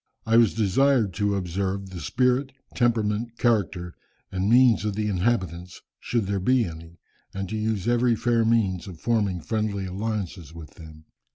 I was desired to observe the spirit, temperament, character, and means of the inhabitants, should there be any, and to use every fair means of forming friendly alliances with them.